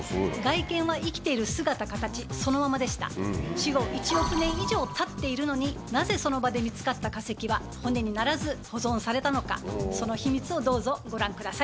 死後１億年以上たっているのになぜその場で見つかった化石は骨にならず保存されたのかその秘密をどうぞご覧ください。